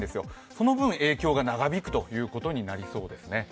その分、影響が長引くことになりそうですね。